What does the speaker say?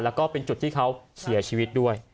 แล้วก็เป็นจุดที่เขาเสียชีวิตด้วย